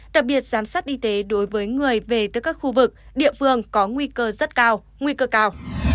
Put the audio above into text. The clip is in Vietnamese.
đặc biệt giám sát y tế đối với người về từ các khu vực địa phương có nguy cơ rất cao nguy cơ cao